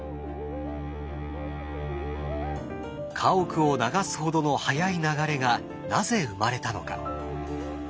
家屋を流すほどの速い流れがなぜ生まれたのか？